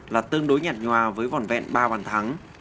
là tương đối nhạt nhòa với vòn vẹn ba bàn thắng